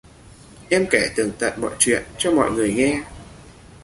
Em kể tường tận mọi chuyện cho mọi người nghe